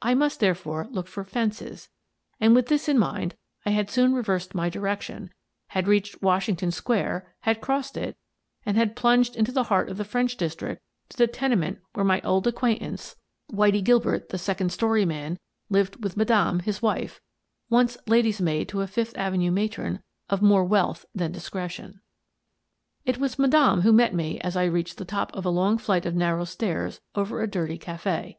I must, therefore, look for " fences," and, with this in mind, I had soon reversed my direction, had reached Washington Square, had crossed it, and had plunged into the heart of the French district to the tenement where my old acquaintance, Whitie My Friend, the Thief 241 Gilbert, the second story man, lived with Madame, his wife, once lady's maid to a Fifth Avenue matron of more wealth than discretion. It was Madame who met me as I reached the top of a long flight of narrow stairs over a dirty cafe.